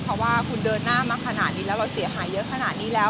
เพราะว่าคุณเดินหน้ามาขนาดนี้แล้วเราเสียหายเยอะขนาดนี้แล้ว